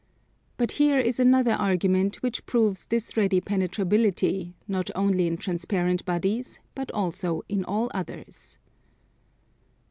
But here is another argument which proves this ready penetrability, not only in transparent bodies but also in all others.